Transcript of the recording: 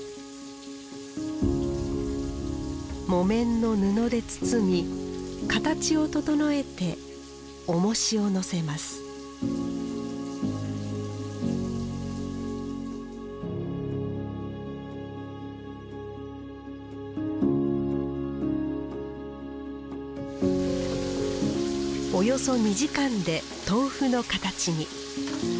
木綿の布で包み形を整えておもしを載せますおよそ２時間で豆腐の形に。